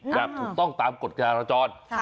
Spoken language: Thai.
แบบถูกต้องตามกฎจราจร